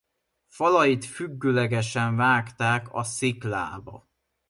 Falait függőlegesen vágták a sziklába.